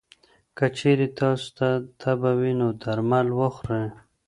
که چېرې تاسو ته تبه وي، نو درمل وخورئ.